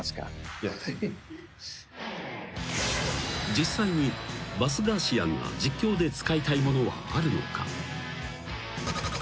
［実際にバスガーシアンが実況で使いたいものはあるのか？］